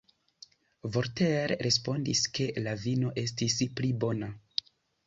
Voltaire respondis, ke la vino estis pli bona.